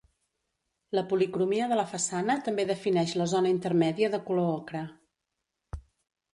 La policromia de la façana també defineix la zona intermèdia de color ocre.